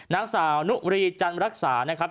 นางสาวนุรีจันรักษานะครับ